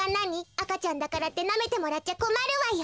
あかちゃんだからってなめてもらっちゃこまるわよ。